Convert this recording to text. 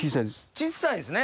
小っさいですね。